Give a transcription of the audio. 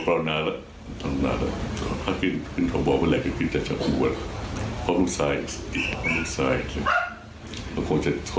เพราะกลุ่มทรายถ้ากลุ่มทรายจะส่งมาพวกทีมไปก่อน